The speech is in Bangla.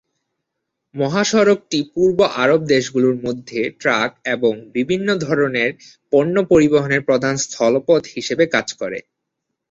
মহাসড়কটি পূর্ব আরব দেশগুলোর মধ্যে ট্রাক এবং বিভিন্ন ধরণের পণ্য পরিবহনের প্রধান স্থল পথ হিসেবে কাজ করে।